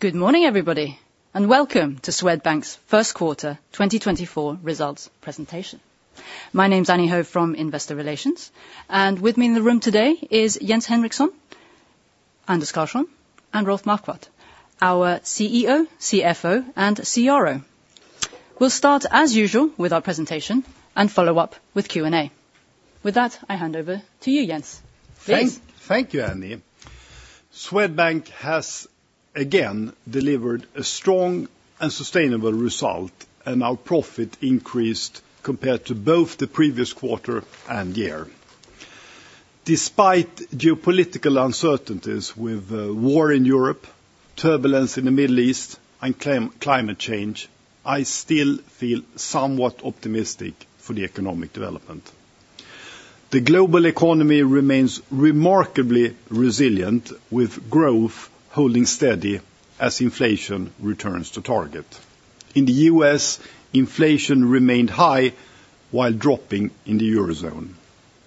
Good morning, everybody, and welcome to Swedbank's First Quarter 2024 results presentation. My name's Annie Ho from Investor Relations, and with me in the room today is Jens Henriksson, Anders Karlsson, and Rolf Marquardt, our CEO, CFO, and CRO. We'll start, as usual, with our presentation and follow up with Q&A. With that, I hand over to you, Jens. Please. Thank you, Annie. Swedbank has, again, delivered a strong and sustainable result, and our profit increased compared to both the previous quarter and year. Despite geopolitical uncertainties with war in Europe, turbulence in the Middle East, and climate change, I still feel somewhat optimistic for the economic development. The global economy remains remarkably resilient, with growth holding steady as inflation returns to target. In the U.S., inflation remained high while dropping in the Eurozone.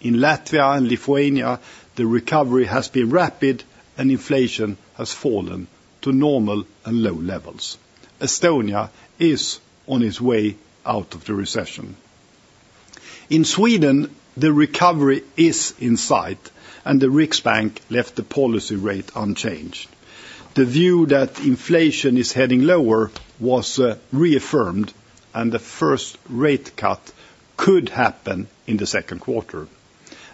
In Latvia and Lithuania, the recovery has been rapid, and inflation has fallen to normal and low levels. Estonia is on its way out of the recession. In Sweden, the recovery is in sight, and the Riksbank left the policy rate unchanged. The view that inflation is heading lower was reaffirmed, and the first rate cut could happen in the second quarter.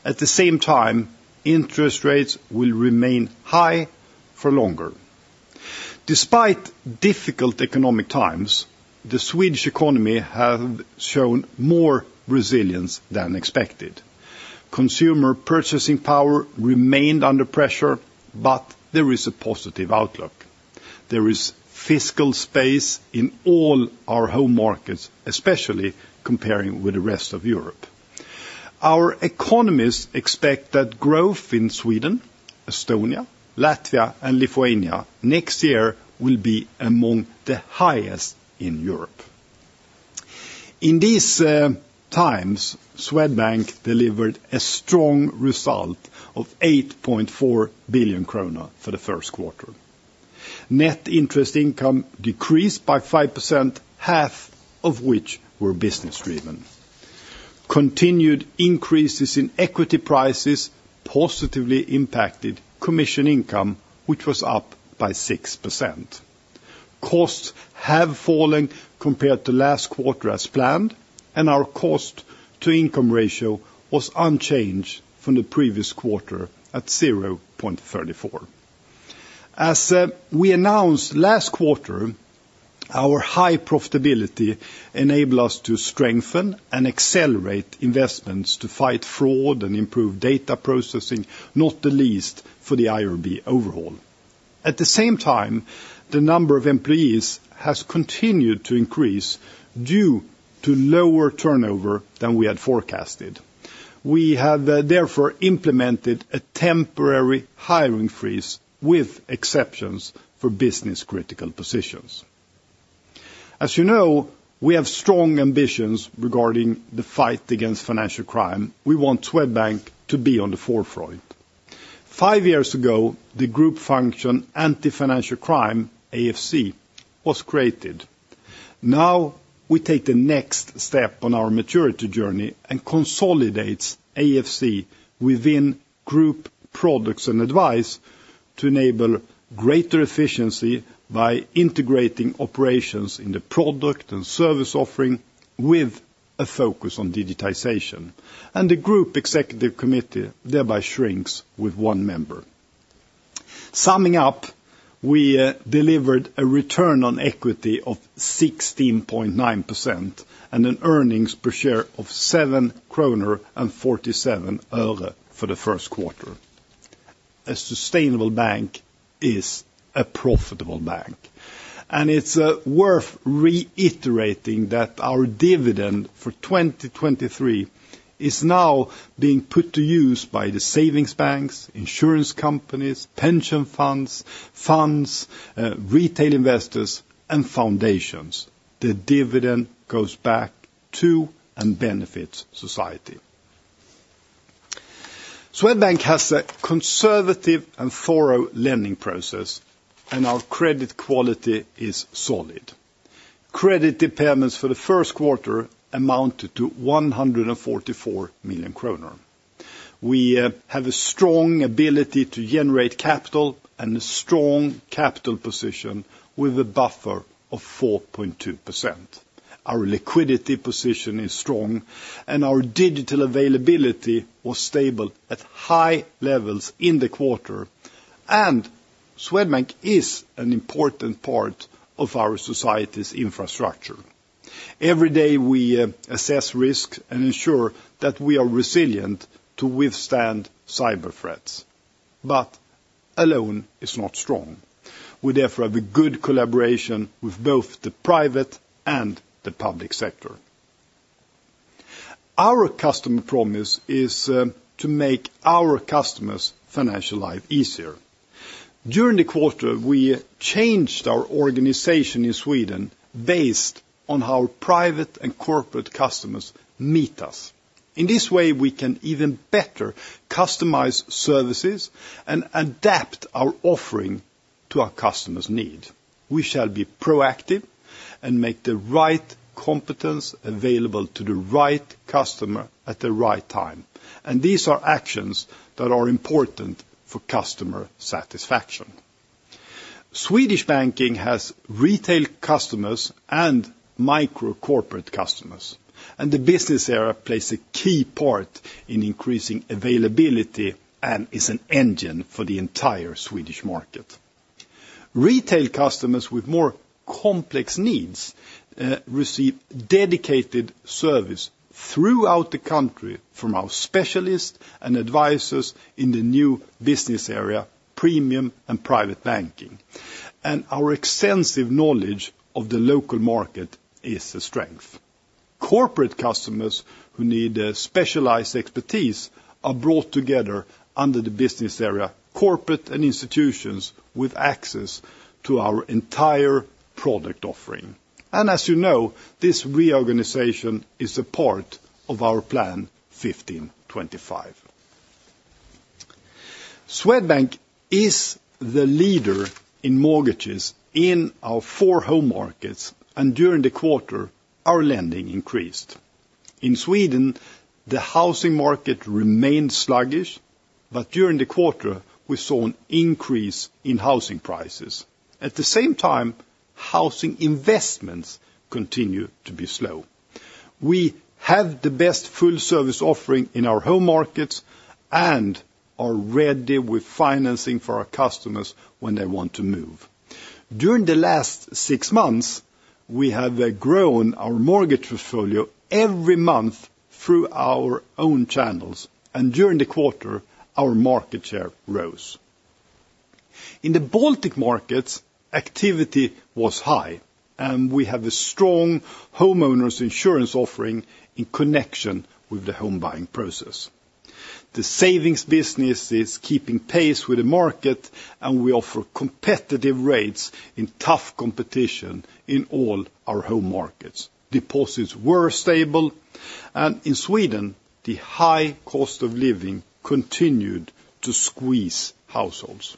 At the same time, interest rates will remain high for longer. Despite difficult economic times, the Swedish economy has shown more resilience than expected. Consumer purchasing power remained under pressure, but there is a positive outlook. There is fiscal space in all our home markets, especially comparing with the rest of Europe. Our economists expect that growth in Sweden, Estonia, Latvia, and Lithuania next year will be among the highest in Europe. In these times, Swedbank delivered a strong result of 8.4 billion kronor for the first quarter. Net interest income decreased by 5%, half of which were business-driven. Continued increases in equity prices positively impacted commission income, which was up by 6%. Costs have fallen compared to last quarter as planned, and our cost-to-income ratio was unchanged from the previous quarter at 0.34. As we announced last quarter, our high profitability enabled us to strengthen and accelerate investments to fight fraud and improve data processing, not the least for the IRB overhaul. At the same time, the number of employees has continued to increase due to lower turnover than we had forecasted. We have, therefore, implemented a temporary hiring freeze with exceptions for business-critical positions. As you know, we have strong ambitions regarding the fight against financial crime. We want Swedbank to be on the forefront. Five years ago, the group function Anti-Financial Crime, AFC, was created. Now we take the next step on our maturity journey and consolidate AFC within group products and advice to enable greater efficiency by integrating operations in the product and service offering with a focus on digitization, and the group executive committee thereby shrinks with one member. Summing up, we delivered a return on equity of 16.9% and an earnings per share of 7.47 kronor for the first quarter. A sustainable bank is a profitable bank, and it's worth reiterating that our dividend for 2023 is now being put to use by the savings banks, insurance companies, pension funds, funds, retail investors, and foundations. The dividend goes back to and benefits society. Swedbank has a conservative and thorough lending process, and our credit quality is solid. Credit payments for the first quarter amounted to 144 million kronor. We have a strong ability to generate capital and a strong capital position with a buffer of 4.2%. Our liquidity position is strong, and our digital availability was stable at high levels in the quarter, and Swedbank is an important part of our society's infrastructure. Every day we assess risk and ensure that we are resilient to withstand cyber threats, but alone is not strong. We, therefore, have a good collaboration with both the private and the public sector. Our customer promise is to make our customers' financial life easier. During the quarter, we changed our organization in Sweden based on how private and corporate customers meet us. In this way, we can even better customize services and adapt our offering to our customers' needs. We shall be proactive and make the right competence available to the right customer at the right time, and these are actions that are important for customer satisfaction. Swedish Banking has retail customers and micro-corporate customers, and the business area plays a key part in increasing availability and is an engine for the entire Swedish market. Retail customers with more complex needs receive dedicated service throughout the country from our specialists and advisors in the new business area, premium and private banking, and our extensive knowledge of the local market is a strength. Corporate customers who need specialized expertise are brought together under the business area, corporate and institutions, with access to our entire product offering. And as you know, this reorganization is a part of our plan 15/25. Swedbank is the leader in mortgages in our four home markets, and during the quarter, our lending increased. In Sweden, the housing market remained sluggish, but during the quarter, we saw an increase in housing prices. At the same time, housing investments continue to be slow. We have the best full-service offering in our home markets and are ready with financing for our customers when they want to move. During the last six months, we have grown our mortgage portfolio every month through our own channels, and during the quarter, our market share rose. In the Baltic markets, activity was high, and we have a strong homeowners' insurance offering in connection with the home buying process. The savings business is keeping pace with the market, and we offer competitive rates in tough competition in all our home markets. Deposits were stable, and in Sweden, the high cost of living continued to squeeze households.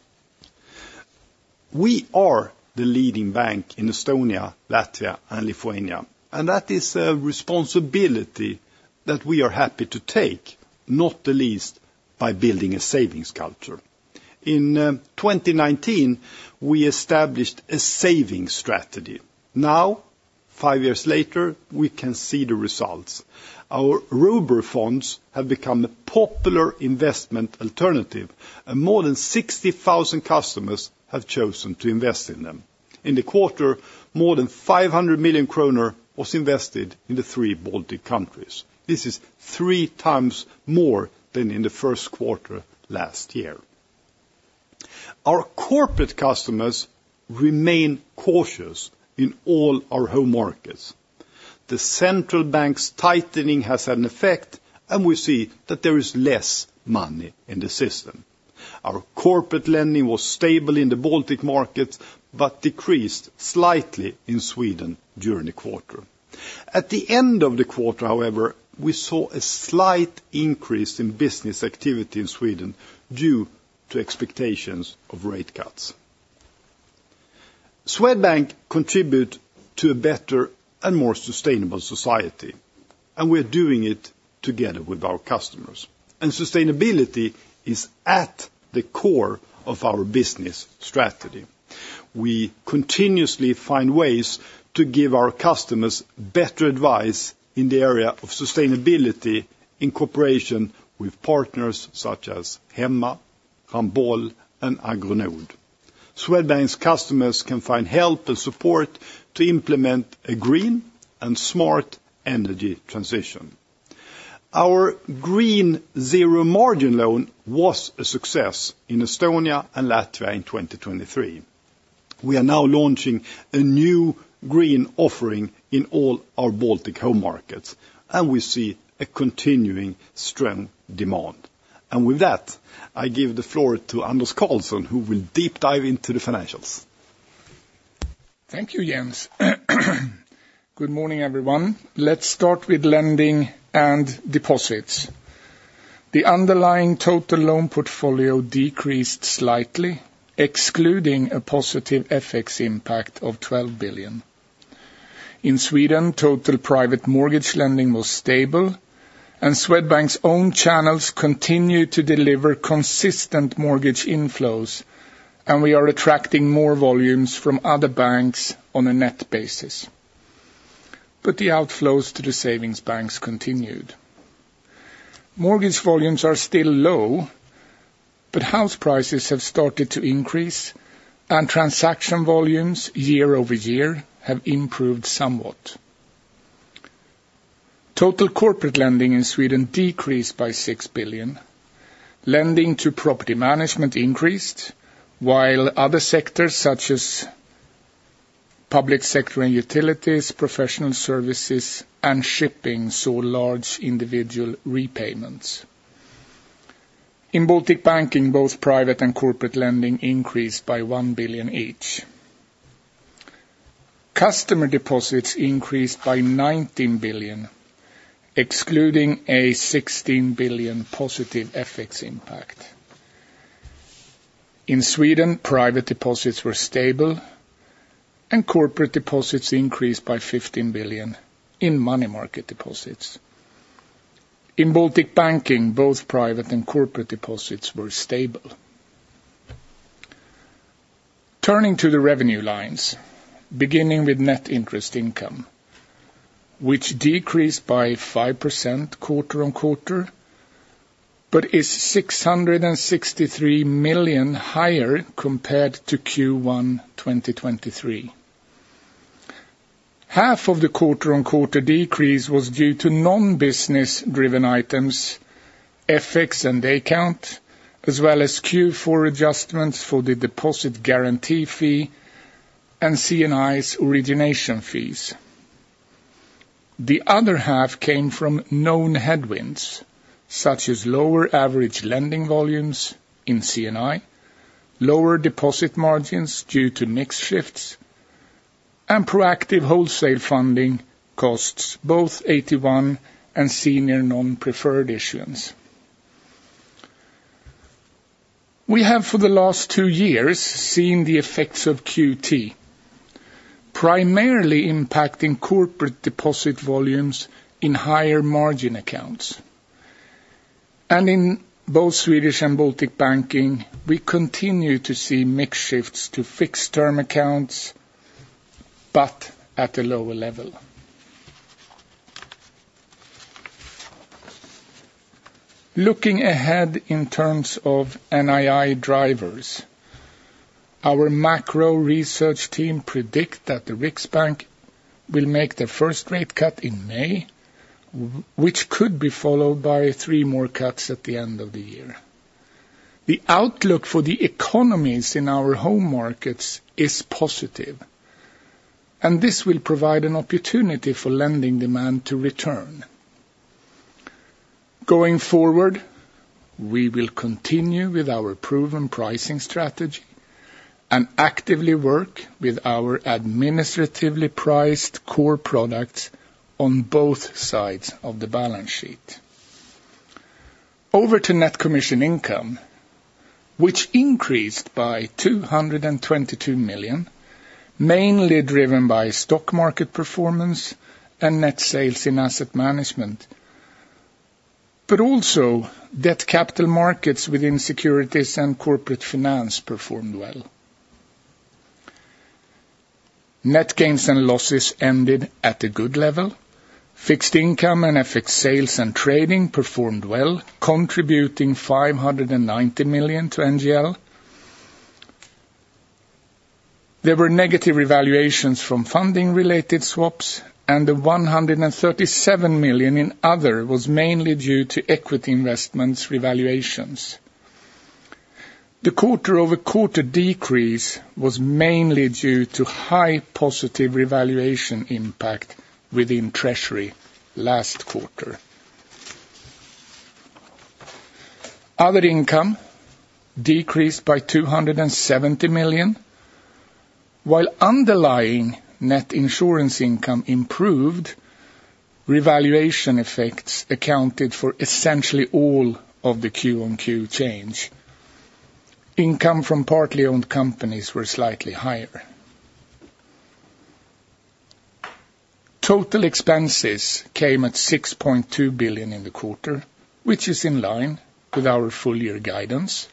We are the leading bank in Estonia, Latvia, and Lithuania, and that is a responsibility that we are happy to take, not the least by building a savings culture. In 2019, we established a savings strategy. Now, five years later, we can see the results. Our Robur funds have become a popular investment alternative, and more than 60,000 customers have chosen to invest in them. In the quarter, more than 500 million kronor was invested in the three Baltic countries. This is 3x more than in the first quarter last year. Our corporate customers remain cautious in all our home markets. The central bank's tightening has had an effect, and we see that there is less money in the system. Our corporate lending was stable in the Baltic markets but decreased slightly in Sweden during the quarter. At the end of the quarter, however, we saw a slight increase in business activity in Sweden due to expectations of rate cuts. Swedbank contributes to a better and more sustainable society, and we are doing it together with our customers. Sustainability is at the core of our business strategy. We continuously find ways to give our customers better advice in the area of sustainability in cooperation with partners such as Hemma, Ramboll, and Agronod. Swedbank's customers can find help and support to implement a green and smart energy transition. Our green zero margin loan was a success in Estonia and Latvia in 2023. We are now launching a new green offering in all our Baltic home markets, and we see a continuing strong demand. With that, I give the floor to Anders Karlsson, who will deep dive into the financials. Thank you, Jens. Good morning, everyone. Let's start with lending and deposits. The underlying total loan portfolio decreased slightly, excluding a positive FX impact of 12 billion. In Sweden, total private mortgage lending was stable, and Swedbank's own channels continue to deliver consistent mortgage inflows, and we are attracting more volumes from other banks on a net basis. But the outflows to the savings banks continued. Mortgage volumes are still low, but house prices have started to increase, and transaction volumes year-over-year have improved somewhat. Total corporate lending in Sweden decreased by 6 billion. Lending to property management increased, while other sectors such as public sector and utilities, professional services, and shipping saw large individual repayments. In Baltic banking, both private and corporate lending increased by 1 billion each. Customer deposits increased by 19 billion, excluding a 16 billion positive FX impact. In Sweden, private deposits were stable, and corporate deposits increased by 15 billion in money market deposits. In Baltic banking, both private and corporate deposits were stable. Turning to the revenue lines, beginning with net interest income, which decreased by 5% quarter-on-quarter but is 663 million higher compared to Q1 2023. Half of the quarter-on-quarter decrease was due to non-business-driven items, FX and day count, as well as Q4 adjustments for the deposit guarantee fee and C&I's origination fees. The other half came from known headwinds, such as lower average lending volumes in C&I, lower deposit margins due to mixed shifts, and proactive wholesale funding costs both AT1 and senior non-preferred issuance. We have, for the last two years, seen the effects of QT primarily impacting corporate deposit volumes in higher margin accounts. In both Swedish and Baltic banking, we continue to see mixed shifts to fixed-term accounts but at a lower level. Looking ahead in terms of NII drivers, our macro research team predicts that the Riksbank will make their first rate cut in May, which could be followed by three more cuts at the end of the year. The outlook for the economies in our home markets is positive, and this will provide an opportunity for lending demand to return. Going forward, we will continue with our proven pricing strategy and actively work with our administratively priced core products on both sides of the balance sheet. Over to net commission income, which increased by 222 million, mainly driven by stock market performance and net sales in asset management, but also debt capital markets within securities and corporate finance performed well. Net gains and losses ended at a good level. Fixed income and FX sales and trading performed well, contributing 590 million to NGL. There were negative revaluations from funding-related swaps, and the 137 million in other was mainly due to equity investments revaluations. The quarter-over-quarter decrease was mainly due to high positive revaluation impact within Treasury last quarter. Other income decreased by 270 million. While underlying net insurance income improved, revaluation effects accounted for essentially all of the Q on Q change. Income from partly owned companies was slightly higher Total expenses came at 6.2 billion in the quarter, which is in line with our full-year guidance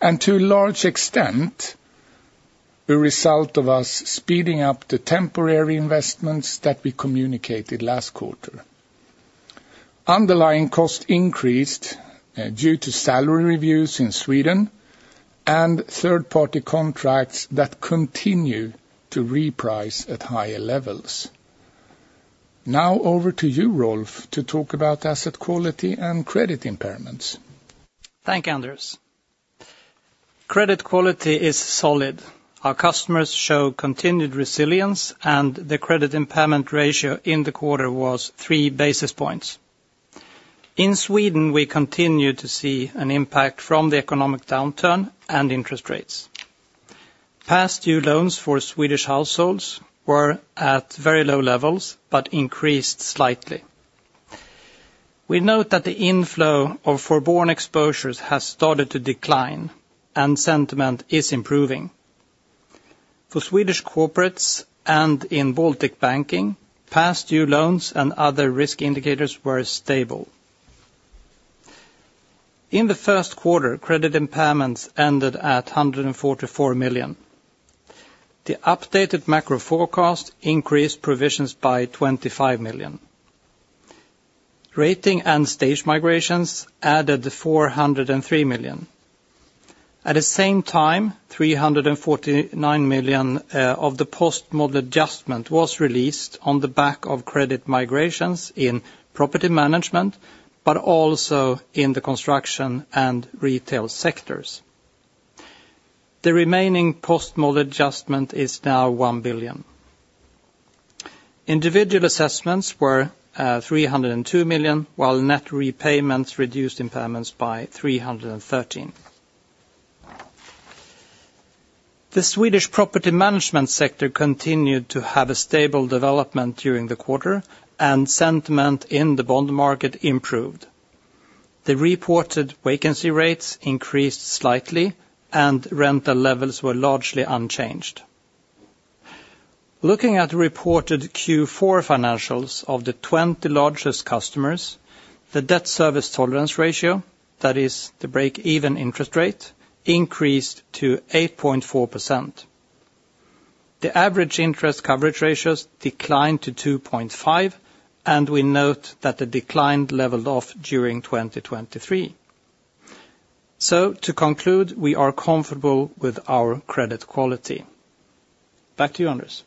and, to a large extent, a result of us speeding up the temporary investments that we communicated last quarter. Underlying costs increased due to salary reviews in Sweden and third-party contracts that continue to reprice at higher levels. Now over to you, Rolf, to talk about asset quality and credit impairments. Thank you, Anders. Credit quality is solid. Our customers show continued resilience, and the credit impairment ratio in the quarter was three basis points. In Sweden, we continue to see an impact from the economic downturn and interest rates. Past due loans for Swedish households were at very low levels but increased slightly. We note that the inflow of forborne exposures has started to decline, and sentiment is improving. For Swedish corporates and in Baltic banking, past due loans and other risk indicators were stable. In the first quarter, credit impairments ended at 144 million. The updated macro forecast increased provisions by 25 million. Rating and stage migrations added 403 million. At the same time, 349 million of the post-model adjustment was released on the back of credit migrations in property management but also in the construction and retail sectors. The remaining post-model adjustment is now 1 billion. Individual assessments were 302 million, while net repayments reduced impairments by 313 million. The Swedish property management sector continued to have a stable development during the quarter, and sentiment in the bond market improved. The reported vacancy rates increased slightly, and rental levels were largely unchanged. Looking at reported Q4 financials of the 20 largest customers, the debt service tolerance ratio, that is, the break-even interest rate, increased to 8.4%. The average interest coverage ratios declined to 2.5, and we note that the decline leveled off during 2023. So, to conclude, we are comfortable with our credit quality. Back to you, Anders.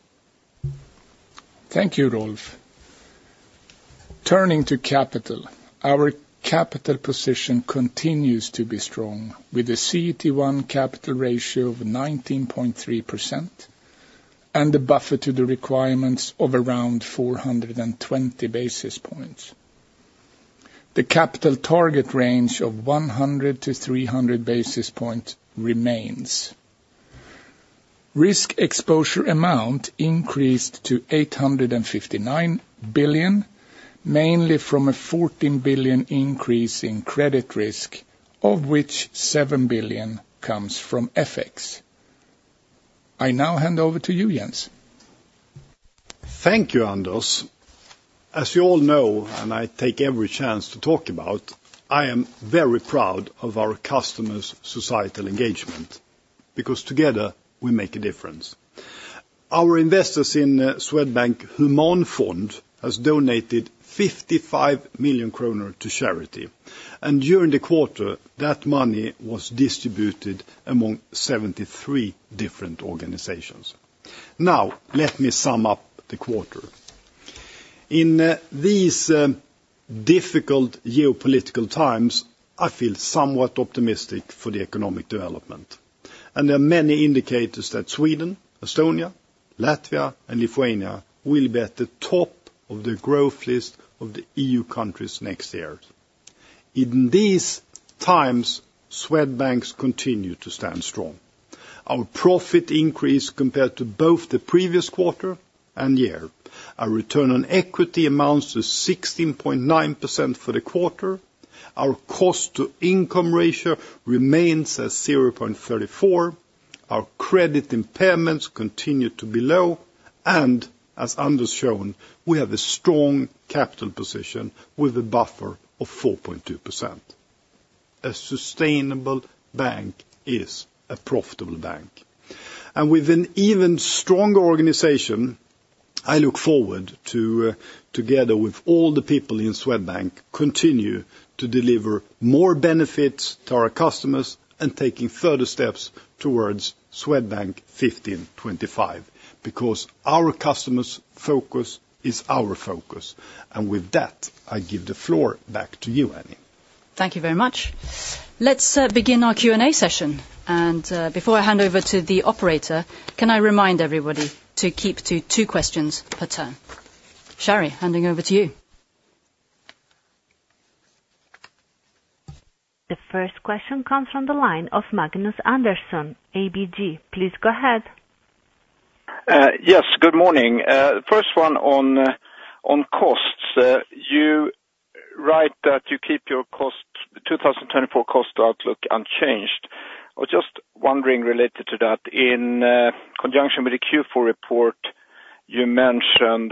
Thank you, Rolf. Turning to capital. Our capital position continues to be strong, with a CET1 capital ratio of 19.3% and a buffer to the requirements of around 420 basis points. The capital target range of 100-300 basis points remains. Risk exposure amount increased to 859 billion, mainly from a 14 billion increase in credit risk, of which 7 billion comes from FX. I now hand over to you, Jens. Thank you, Anders. As you all know, and I take every chance to talk about, I am very proud of our customers' societal engagement because together we make a difference. Our investors in Swedbank Humanfond has donated 55 million kronor to charity, and during the quarter, that money was distributed among 73 different organizations. Now, let me sum up the quarter. In these difficult geopolitical times, I feel somewhat optimistic for the economic development, and there are many indicators that Sweden, Estonia, Latvia, and Lithuania will be at the top of the growth list of the EU countries next year. In these times, Swedbank's continue to stand strong. Our profit increased compared to both the previous quarter and year. Our return on equity amounts to 16.9% for the quarter. Our cost-to-income ratio remains at 0.34. Our credit impairments continue to be low, and, as Anders shown, we have a strong capital position with a buffer of 4.2%. A sustainable bank is a profitable bank. With an even stronger organization, I look forward to, together with all the people in Swedbank, continue to deliver more benefits to our customers and taking further steps towards Swedbank 15/25 because our customers' focus is our focus. And with that, I give the floor back to you, Annie. Thank you very much. Let's begin our Q&A session. Before I hand over to the operator, can I remind everybody to keep to two questions per turn? Shari, handing over to you. The first question comes from the line of Magnus Andersson, ABG. Please go ahead. Yes, good morning. First one on costs. You write that you keep your 2024 cost outlook unchanged. I was just wondering related to that. In conjunction with the Q4 report, you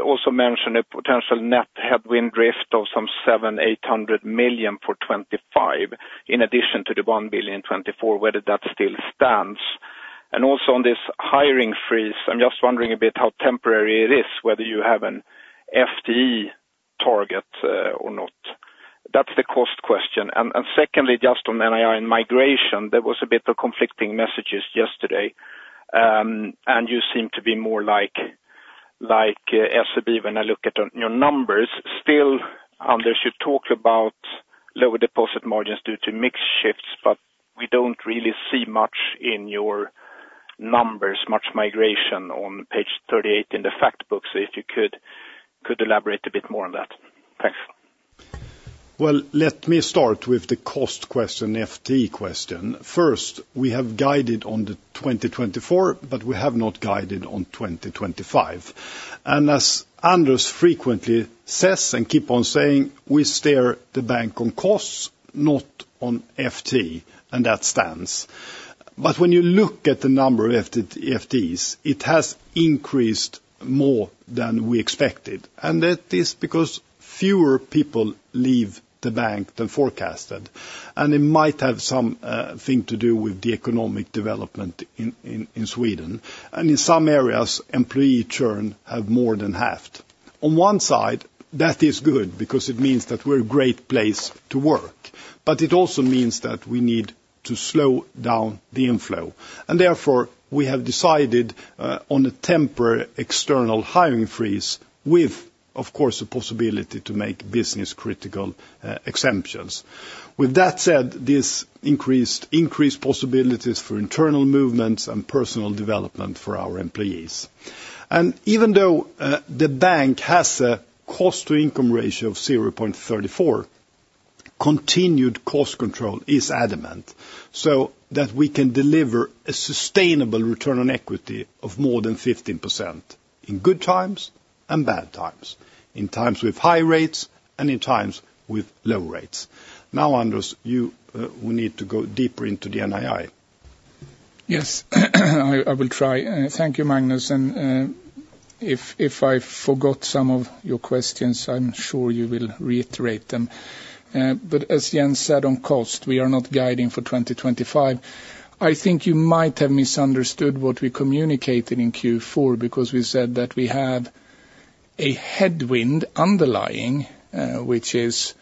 also mentioned a potential net headwind drift of some 700 million-800 million for 2025 in addition to the 1 billion 2024. Whether that still stands. And also on this hiring freeze, I'm just wondering a bit how temporary it is, whether you have an FTE target or not. That's the cost question. And secondly, just on NII and migration, there was a bit of conflicting messages yesterday, and you seem to be more like SEB when I look at your numbers. Still, Anders, you talked about lower deposit margins due to mixed shifts, but we don't really see much in your numbers, much migration on page 38 in the fact books. If you could elaborate a bit more on that. Thanks. Well, let me start with the cost question, FTE question. First, we have guided on the 2024, but we have not guided on 2025. As Anders frequently says and keeps on saying, we steer the bank on costs, not on FTE, and that stands. But when you look at the number of FTEs, it has increased more than we expected, and that is because fewer people leave the bank than forecasted. It might have something to do with the economic development in Sweden. In some areas, employee churn has more than halved. On one side, that is good because it means that we're a great place to work, but it also means that we need to slow down the inflow. Therefore, we have decided on a temporary external hiring freeze with, of course, the possibility to make business-critical exemptions. With that said, this increased possibilities for internal movements and personal development for our employees. Even though the bank has a cost-to-income ratio of 0.34, continued cost control is adamant so that we can deliver a sustainable return on equity of more than 15% in good times and bad times, in times with high rates and in times with low rates. Now, Anders, we need to go deeper into the NII. Yes, I will try. Thank you, Magnus. If I forgot some of your questions, I'm sure you will reiterate them. As Jens said on cost, we are not guiding for 2025. I think you might have misunderstood what we communicated in Q4 because we said that we have a headwind underlying, which is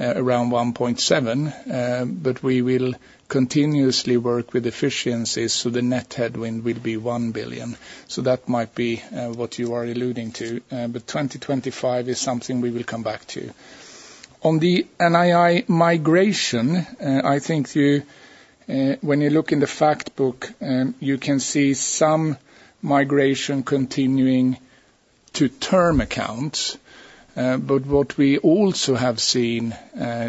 around 1.7 billion, but we will continuously work with efficiencies so the net headwind will be 1 billion. That might be what you are alluding to, but 2025 is something we will come back to. On the NII migration, I think when you look in the fact book, you can see some migration continuing to term accounts. What we also have seen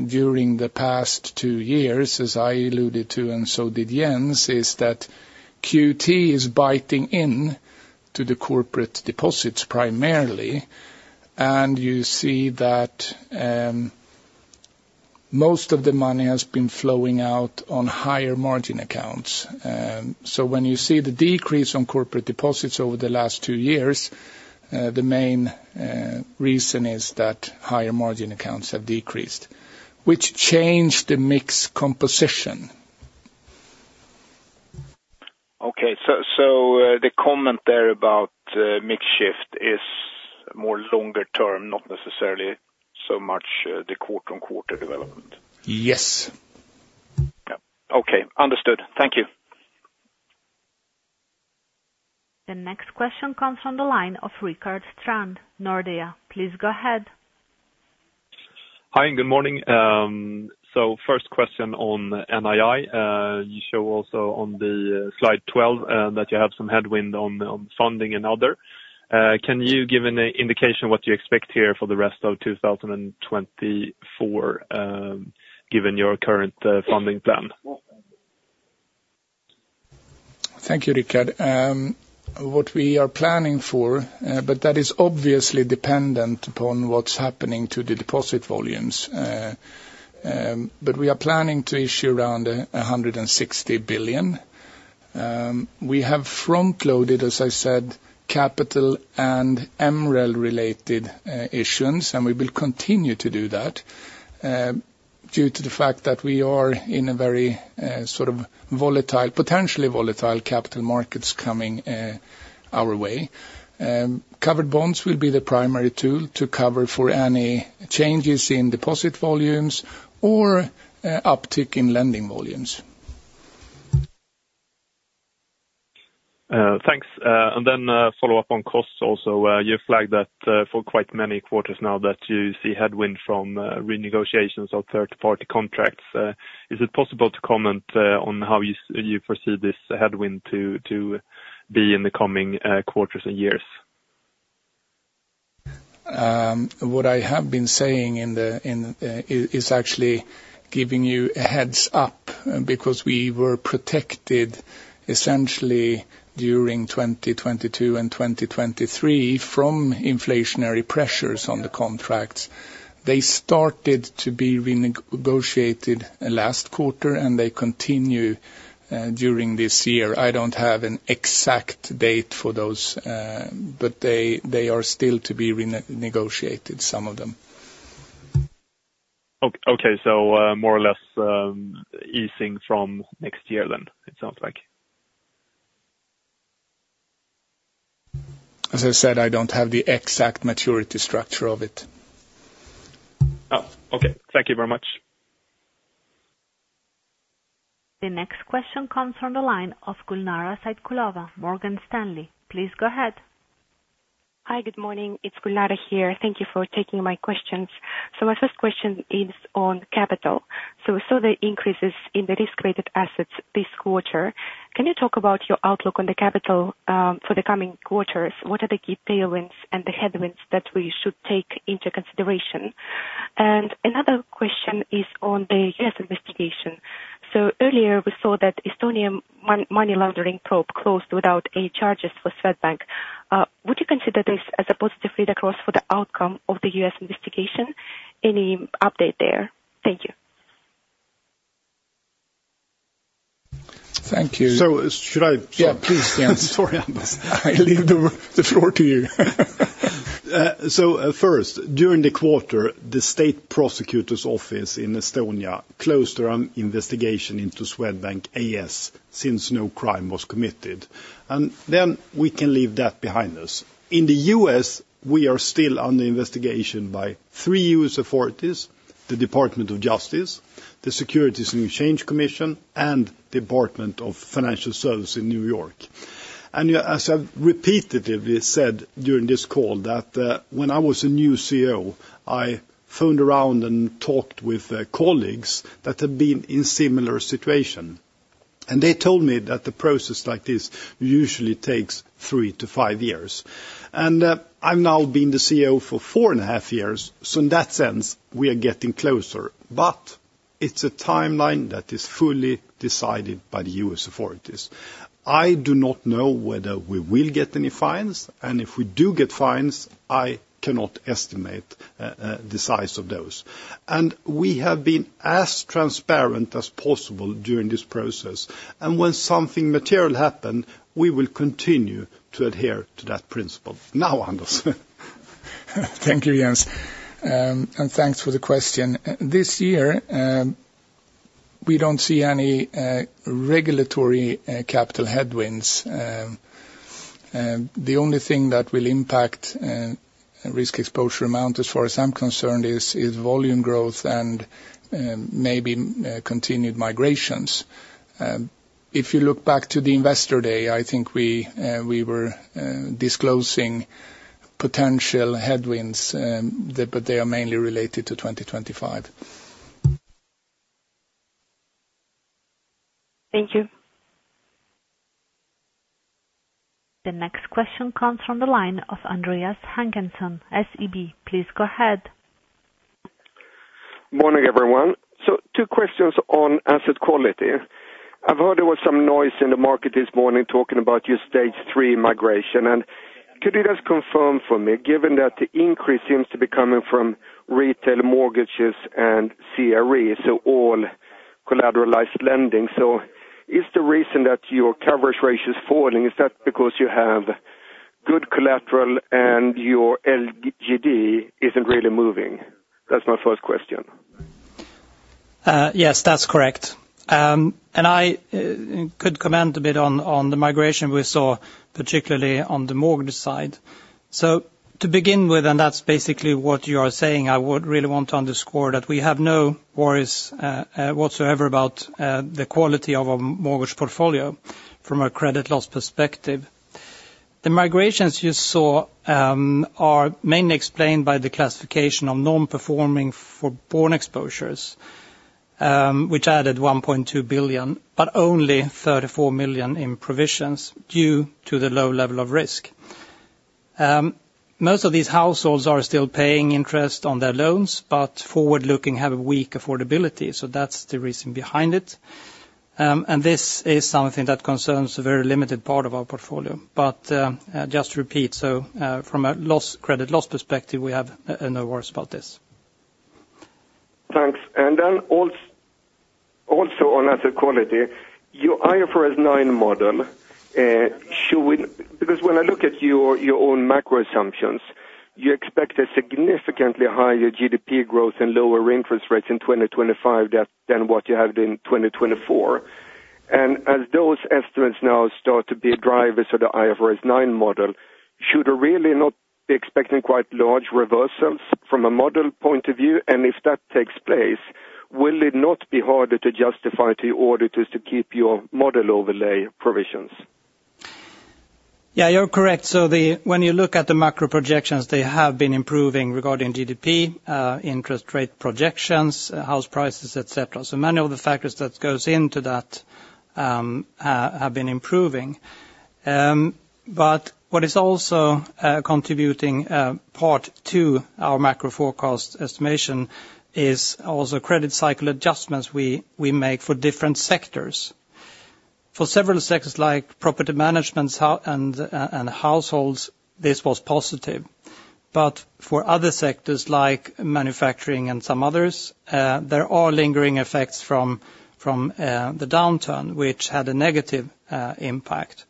during the past two years, as I alluded to and so did Jens, is that QT is biting into the corporate deposits primarily, and you see that most of the money has been flowing out on higher margin accounts. When you see the decrease on corporate deposits over the last two years, the main reason is that higher margin accounts have decreased, which changed the mixed composition. Okay. So the comment there about mixed shift is more longer term, not necessarily so much the quarter-over-quarter development? Yes. Yeah. Okay. Understood. Thank you. The next question comes from the line of Rickard Strand, Nordea. Please go ahead. Hi, and good morning. First question on NII. You show also on slide 12 that you have some headwind on funding and other. Can you give an indication what you expect here for the rest of 2024 given your current funding plan? Thank you, Rickard. What we are planning for, but that is obviously dependent upon what's happening to the deposit volumes. We are planning to issue around 160 billion. We have front-loaded, as I said, capital and MREL-related issues, and we will continue to do that due to the fact that we are in a very sort of volatile, potentially volatile capital markets coming our way. Covered bonds will be the primary tool to cover for any changes in deposit volumes or uptick in lending volumes. Thanks. And then follow up on costs also. You flagged that for quite many quarters now that you see headwind from renegotiations of third-party contracts. Is it possible to comment on how you foresee this headwind to be in the coming quarters and years? What I have been saying is actually giving you a heads-up because we were protected essentially during 2022 and 2023 from inflationary pressures on the contracts. They started to be renegotiated last quarter, and they continue during this year. I don't have an exact date for those, but they are still to be renegotiated, some of them. Okay. So more or less easing from next year then, it sounds like. As I said, I don't have the exact maturity structure of it. Okay. Thank you very much. The next question comes from the line of Gulnara Saitkulova, Morgan Stanley. Please go ahead. Hi, good morning. It's Gulnara here. Thank you for taking my questions. My first question is on capital. We saw the increases in the risk-weighted assets this quarter. Can you talk about your outlook on the capital for the coming quarters? What are the key tailwinds and the headwinds that we should take into consideration? Another question is on the U.S. investigation. Earlier, we saw that Estonia money laundering probe closed without any charges for Swedbank. Would you consider this as a positive read across for the outcome of the U.S. investigation? Any update there? Thank you. Thank you. Should I? Yeah, please, Jens. Sorry, Anders. I leave the floor to you. So first, during the quarter, the State Prosecutor's Office in Estonia closed their investigation into Swedbank AS since no crime was committed. Then we can leave that behind us. In the U.S., we are still under investigation by three U.S. authorities: the Department of Justice, the Securities and Exchange Commission, and the Department of Financial Services in New York. And as I've repeatedly said during this call, that when I was a new CEO, I phoned around and talked with colleagues that had been in a similar situation. And they told me that a process like this usually takes 3-5 years. And I've now been the CEO for 4.5 years, so in that sense, we are getting closer. But it's a timeline that is fully decided by the U.S. authorities. I do not know whether we will get any fines, and if we do get fines, I cannot estimate the size of those. We have been as transparent as possible during this process. When something material happens, we will continue to adhere to that principle. Now, Anders. Thank you, Jens. And thanks for the question. This year, we don't see any regulatory capital headwinds. The only thing that will impact risk exposure amount, as far as I'm concerned, is volume growth and maybe continued migrations. If you look back to the Investor Day, I think we were disclosing potential headwinds, but they are mainly related to 2025. Thank you. The next question comes from the line of Andreas Håkansson, SEB. Please go ahead. Good morning, everyone. So two questions on asset quality. I've heard there was some noise in the market this morning talking about your stage three migration. And could you just confirm for me, given that the increase seems to be coming from retail mortgages and CRE, so all collateralized lending, so is the reason that your coverage rate is falling, is that because you have good collateral and your LGD isn't really moving? That's my first question. Yes, that's correct. I could comment a bit on the migration we saw, particularly on the mortgage side. So to begin with, and that's basically what you are saying, I would really want to underscore that we have no worries whatsoever about the quality of our mortgage portfolio from a credit loss perspective. The migrations you saw are mainly explained by the classification of non-performing forborne exposures, which added 1.2 billion, but only 34 million in provisions due to the low level of risk. Most of these households are still paying interest on their loans, but forward-looking have a weak affordability. So that's the reason behind it. And this is something that concerns a very limited part of our portfolio. But just to repeat, so from a credit loss perspective, we have no worries about this. Thanks. And then also on asset quality, your IFRS 9 model showing, because when I look at your own macro assumptions, you expect a significantly higher GDP growth and lower interest rates in 2025 than what you had in 2024. And as those estimates now start to be a driver for the IFRS 9 model, should we really not be expecting quite large reversals from a model point of view? And if that takes place, will it not be harder to justify to your auditors to keep your model overlay provisions? Yeah, you're correct. So when you look at the macro projections, they have been improving regarding GDP, interest rate projections, house prices, etc. So many of the factors that go into that have been improving. But what is also contributing part to our macro forecast estimation is also credit cycle adjustments we make for different sectors. For several sectors like property management and households, this was positive. But for other sectors like manufacturing and some others, there are lingering effects from the downturn, which had a negative impact.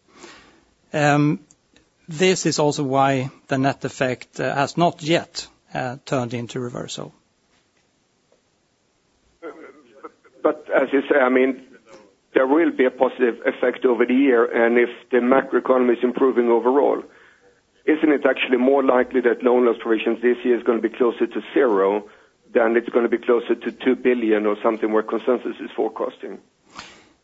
This is also why the net effect has not yet turned into reversal. But as you say, I mean, there will be a positive effect over the year. And if the macroeconomy is improving overall, isn't it actually more likely that loan loss provisions this year is going to be closer to zero than it's going to be closer to 2 billion or something where consensus is forecasting?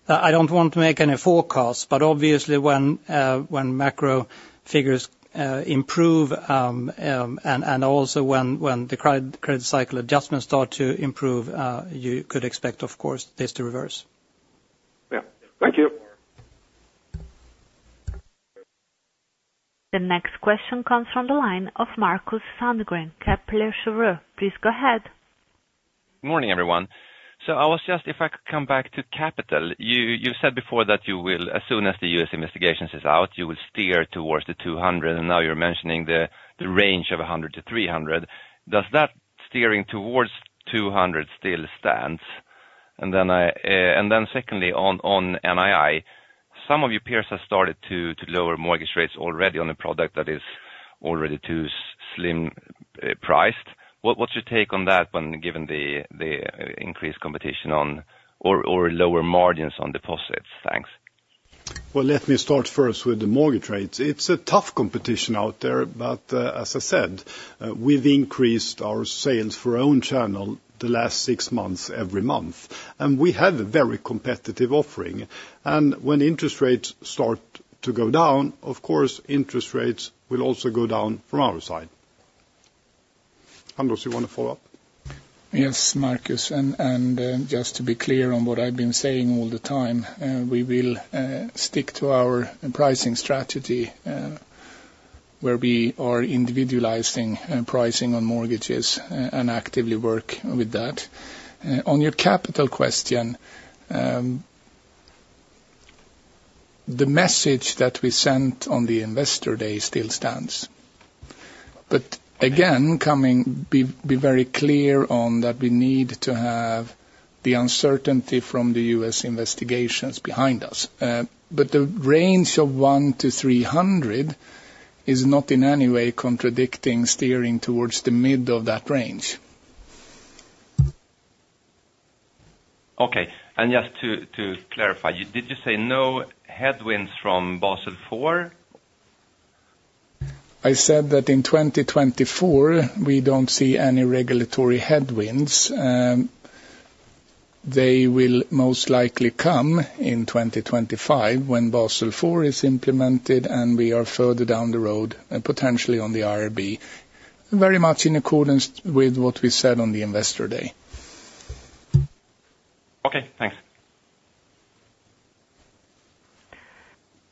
I don't want to make any forecasts, but obviously, when macro figures improve and also when the credit cycle adjustments start to improve, you could expect, of course, this to reverse. Yeah. Thank you. The next question comes from the line of Markus Sandgren, Kepler Cheuvreux. Please go ahead. Good morning, everyone. If I could come back to capital. You said before that as soon as the U.S. investigations is out, you will steer towards the 200. Now you're mentioning the range of 100-300. Does that steering towards 200 still stand? Secondly, on NII, some of your peers have started to lower mortgage rates already on a product that is already too slim-priced. What's your take on that given the increased competition or lower margins on deposits? Thanks. Well, let me start first with the mortgage rates. It's a tough competition out there. But as I said, we've increased our sales for our own channel the last six months every month. And we have a very competitive offering. And when interest rates start to go down, of course, interest rates will also go down from our side. Anders, you want to follow up? Yes, Markus. Just to be clear on what I've been saying all the time, we will stick to our pricing strategy where we are individualizing pricing on mortgages and actively work with that. On your capital question, the message that we sent on the Investor Day still stands. But again, be very clear on that we need to have the uncertainty from the U.S. investigations behind us. But the range of 100-300 is not in any way contradicting steering towards the mid of that range. Okay. Just to clarify, did you say no headwinds from Basel IV? I said that in 2024, we don't see any regulatory headwinds. They will most likely come in 2025 when Basel IV is implemented and we are further down the road, potentially on the IRB, very much in accordance with what we said on the Investor Day. Okay. Thanks.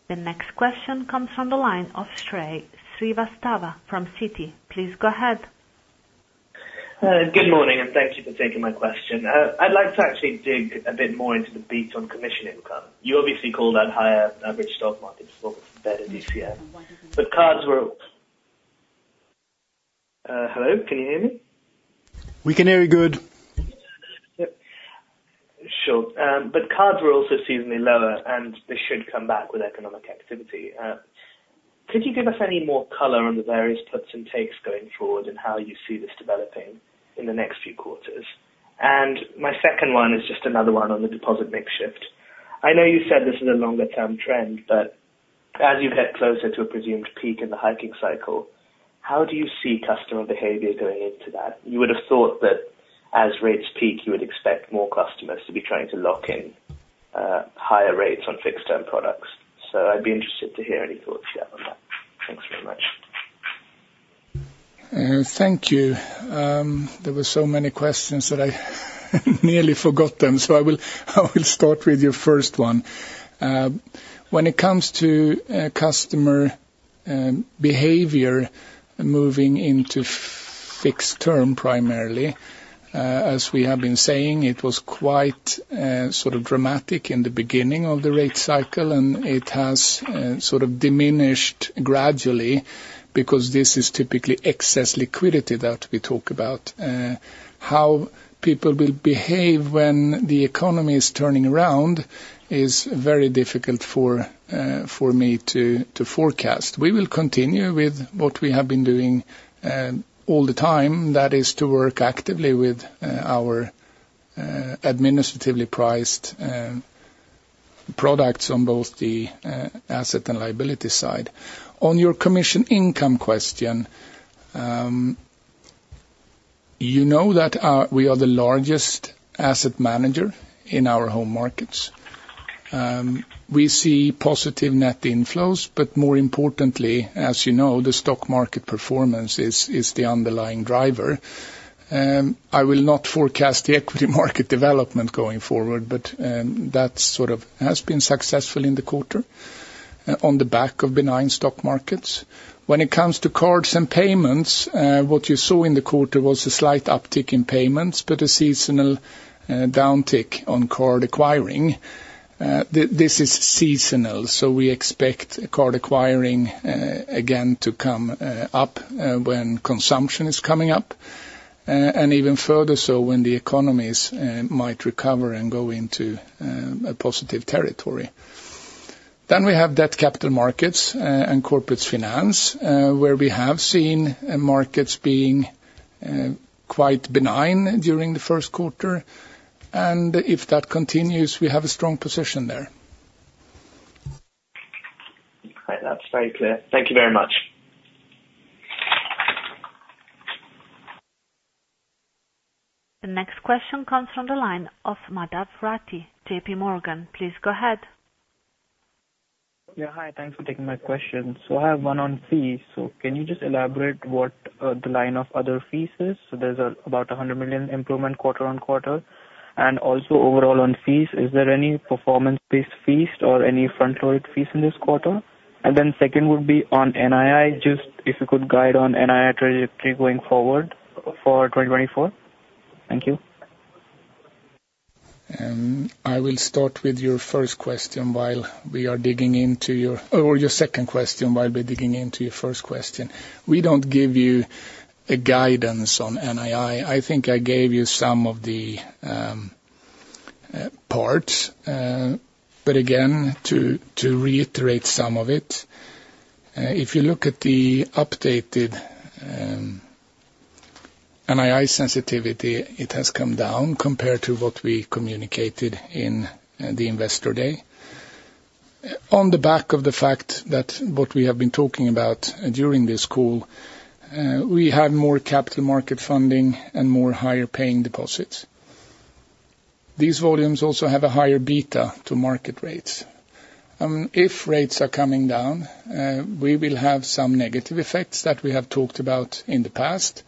The next question comes from the line of Shrey Srivastava from Citi. Please go ahead. Good morning, and thank you for taking my question. I'd like to actually dig a bit more into the beat on commission income. You obviously call that higher average stock market performance, better DCM. But cards were hello? Can you hear me? We can hear you good. Yep. Sure. But cards were also seasonally lower, and they should come back with economic activity. Could you give us any more color on the various puts and takes going forward and how you see this developing in the next few quarters? And my second one is just another one on the deposit mix shift. I know you said this is a longer-term trend, but as you get closer to a presumed peak in the hiking cycle, how do you see customer behavior going into that? You would have thought that as rates peak, you would expect more customers to be trying to lock in higher rates on fixed-term products. So I'd be interested to hear any thoughts you have on that. Thanks very much. Thank you. There were so many questions that I nearly forgot them. So I will start with your first one. When it comes to customer behavior moving into fixed-term primarily, as we have been saying, it was quite sort of dramatic in the beginning of the rate cycle, and it has sort of diminished gradually because this is typically excess liquidity that we talk about. How people will behave when the economy is turning around is very difficult for me to forecast. We will continue with what we have been doing all the time, that is, to work actively with our administratively priced products on both the asset and liability side. On your commission income question, you know that we are the largest asset manager in our home markets. We see positive net inflows. But more importantly, as you know, the stock market performance is the underlying driver. I will not forecast the equity market development going forward, but that sort of has been successful in the quarter on the back of benign stock markets. When it comes to cards and payments, what you saw in the quarter was a slight uptick in payments but a seasonal downtick on card acquiring. This is seasonal, so we expect card acquiring again to come up when consumption is coming up and even further so when the economies might recover and go into a positive territory. Then we have debt capital markets and corporate finance where we have seen markets being quite benign during the first quarter. If that continues, we have a strong position there. That's very clear. Thank you very much. The next question comes from the line of Madhav Rathi, JPMorgan. Please go ahead. Yeah, hi. Thanks for taking my question. So I have one on fees. So can you just elaborate what the line of other fees is? So there's about 100 million improvement quarter on quarter. And also overall on fees, is there any performance-based fees or any front-loaded fees in this quarter? And then second would be on NII, just if you could guide on NII trajectory going forward for 2024. Thank you. I will start with your first question while we are digging into your or your second question while we're digging into your first question. We don't give you a guidance on NII. I think I gave you some of the parts. But again, to reiterate some of it, if you look at the updated NII sensitivity, it has come down compared to what we communicated in the Investor Day. On the back of the fact that what we have been talking about during this call, we have more capital market funding and more higher-paying deposits. These volumes also have a higher beta to market rates. If rates are coming down, we will have some negative effects that we have talked about in the past.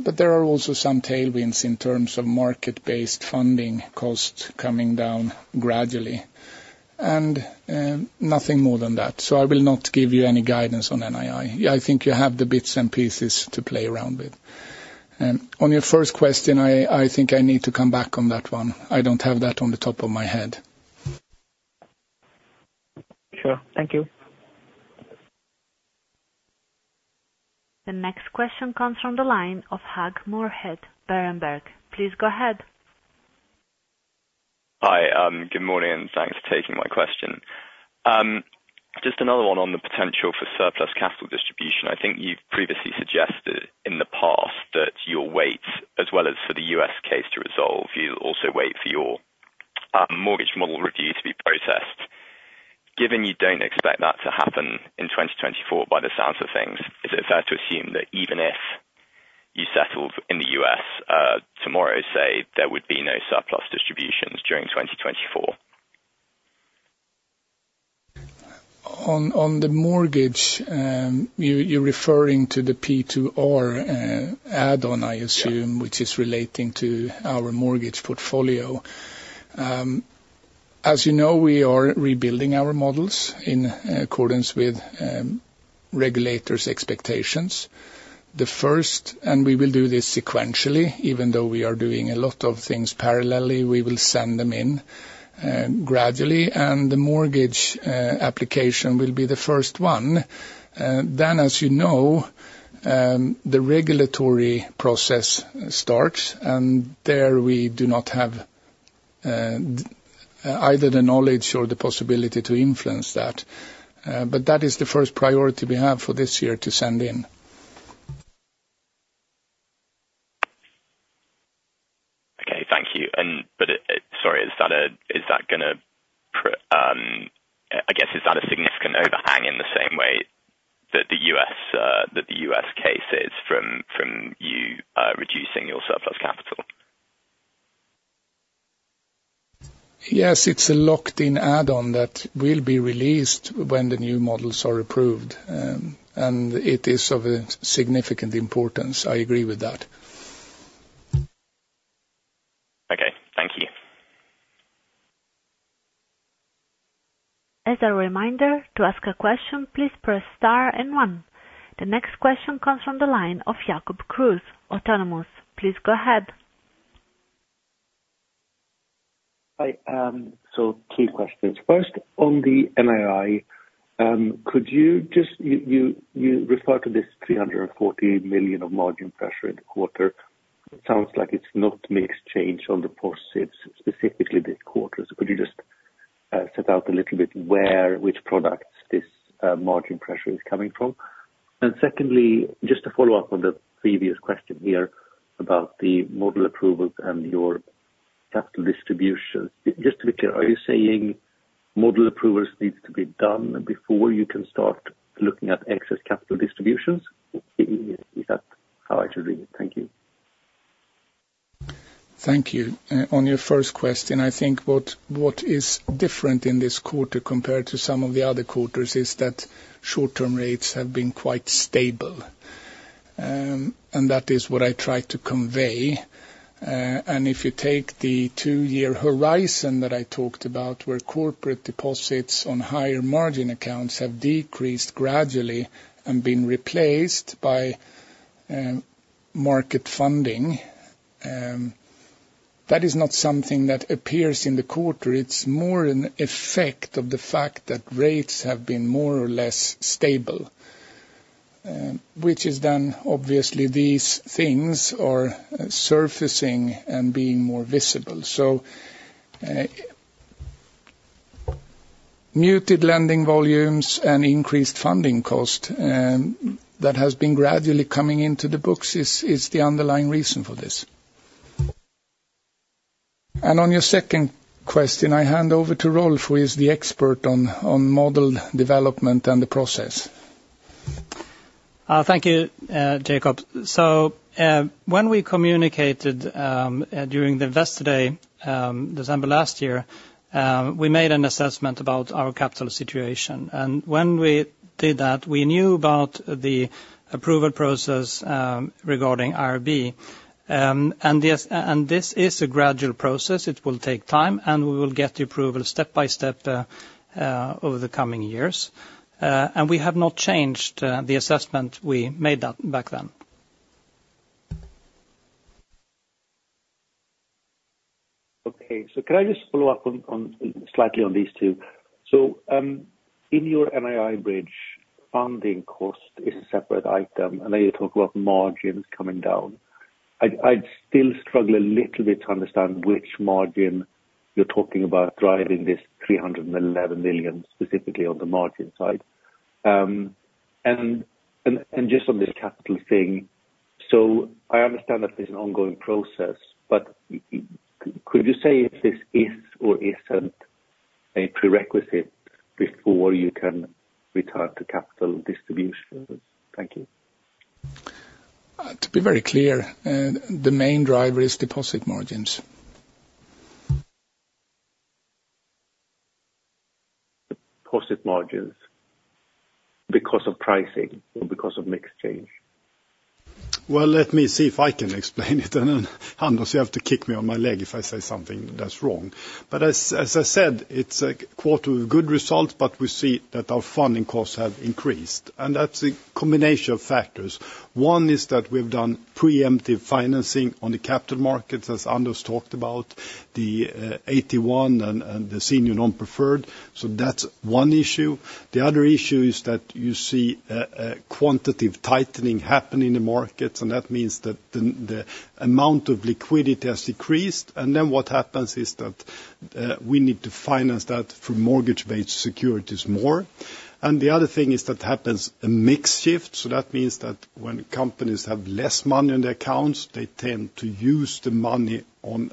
But there are also some tailwinds in terms of market-based funding costs coming down gradually and nothing more than that. I will not give you any guidance on NII. I think you have the bits and pieces to play around with. On your first question, I think I need to come back on that one. I don't have that on the top of my head. Sure. Thank you. The next question comes from the line of Hugh Moorhead, Berenberg. Please go ahead. Hi. Good morning, and thanks for taking my question. Just another one on the potential for surplus capital distribution. I think you've previously suggested in the past that you'll wait as well as for the US case to resolve. You'll also wait for your mortgage model review to be processed. Given you don't expect that to happen in 2024 by the sounds of things, is it fair to assume that even if you settled in the US tomorrow, say, there would be no surplus distributions during 2024? On the mortgage, you're referring to the P2R add-on, I assume, which is relating to our mortgage portfolio. As you know, we are rebuilding our models in accordance with regulators' expectations. And we will do this sequentially. Even though we are doing a lot of things parallelly, we will send them in gradually. And the mortgage application will be the first one. Then, as you know, the regulatory process starts. And there, we do not have either the knowledge or the possibility to influence that. But that is the first priority we have for this year to send in. Okay. Thank you. But sorry, is that going to I guess, is that a significant overhang in the same way that the US case is from you reducing your surplus capital? Yes. It's a locked-in add-on that will be released when the new models are approved. It is of a significant importance. I agree with that. Okay. Thank you. As a reminder, to ask a question, please press star and one. The next question comes from the line of Jacob Kruse, Autonomous. Please go ahead. Hi. So two questions. First, on the NII, could you just refer to this 340 million of margin pressure in the quarter. It sounds like it's not mixed change on the positives, specifically this quarter. So could you just set out a little bit where which products this margin pressure is coming from? And secondly, just to follow up on the previous question here about the model approvals and your capital distributions, just to be clear, are you saying model approvals needs to be done before you can start looking at excess capital distributions? Is that how I should read it? Thank you. Thank you. On your first question, I think what is different in this quarter compared to some of the other quarters is that short-term rates have been quite stable. That is what I tried to convey. If you take the two-year horizon that I talked about where corporate deposits on higher margin accounts have decreased gradually and been replaced by market funding, that is not something that appears in the quarter. It's more an effect of the fact that rates have been more or less stable, which is then obviously, these things are surfacing and being more visible. Muted lending volumes and increased funding cost that has been gradually coming into the books is the underlying reason for this. On your second question, I hand over to Rolf, who is the expert on model development and the process. Thank you, Jacob. When we communicated during the Investor Day, December last year, we made an assessment about our capital situation. When we did that, we knew about the approval process regarding IRB. This is a gradual process. It will take time, and we will get the approval step by step over the coming years. We have not changed the assessment we made back then. Okay. So can I just follow up slightly on these two? So in your NII bridge, funding cost is a separate item. And now you talk about margins coming down. I'd still struggle a little bit to understand which margin you're talking about driving this 311 million, specifically on the margin side. And just on this capital thing, so I understand that there's an ongoing process, but could you say if this is or isn't a prerequisite before you can return to capital distributions? Thank you. To be very clear, the main driver is deposit margins. Deposit margins because of pricing or because of mixed change? Well, let me see if I can explain it. And then Anders will have to kick me on my leg if I say something that's wrong. But as I said, it's a quarter of good results, but we see that our funding costs have increased. And that's a combination of factors. One is that we've done preemptive financing on the capital markets, as Anders talked about, the 81 and the senior non-preferred. So that's one issue. The other issue is that you see Quantitative Tightening happen in the markets. And that means that the amount of liquidity has decreased. And then what happens is that we need to finance that for mortgage-based securities more. And the other thing is that happens a mixed shift. So that means that when companies have less money on their accounts, they tend to use the money on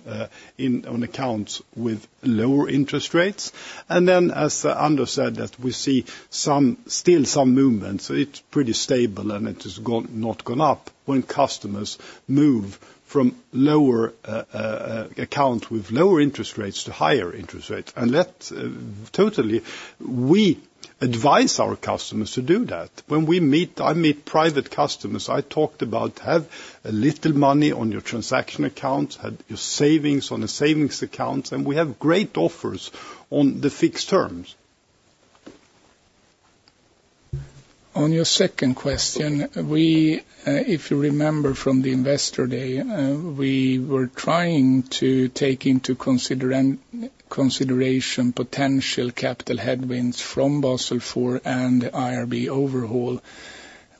accounts with lower interest rates. Then, as Anders said, that we see still some movement. So it's pretty stable, and it has not gone up when customers move from accounts with lower interest rates to higher interest rates. Totally, we advise our customers to do that. When I meet private customers, I talked about having a little money on your transaction accounts, having your savings on a savings account. We have great offers on the fixed terms. On your second question, if you remember from the Investor Day, we were trying to take into consideration potential capital headwinds from Basel IV and IRB overhaul.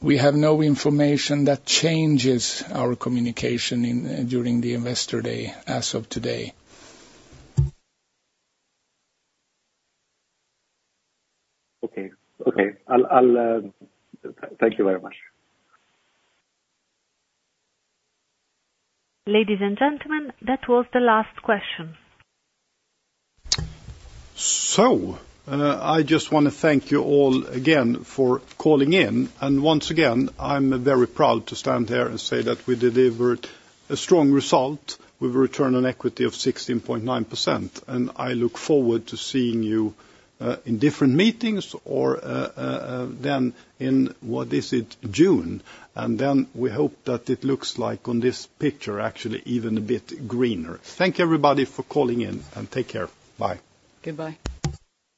We have no information that changes our communication during the Investor Day as of today. Okay. Okay. Thank you very much. Ladies and gentlemen, that was the last question. I just want to thank you all again for calling in. Once again, I'm very proud to stand here and say that we delivered a strong result with a return on equity of 16.9%. I look forward to seeing you in different meetings or then in what is it, June. Then we hope that it looks like on this picture, actually, even a bit greener. Thank you, everybody, for calling in. Take care. Bye. Goodbye.